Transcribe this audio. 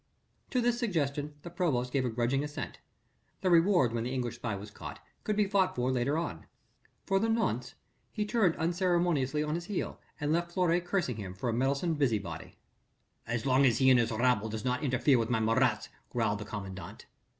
To this suggestion the provost gave a grudging assent. The reward when the English spy was caught could be fought for later on. For the nonce he turned unceremoniously on his heel, and left Fleury cursing him for a meddlesome busybody. "So long as he and his rabble does not interfere with my Marats," growled the commandant.